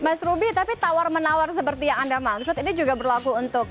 mas ruby tapi tawar menawar seperti yang anda maksud ini juga berlaku untuk